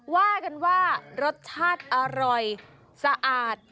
ว่ากันว่ารสชาติอร่อยสะอาด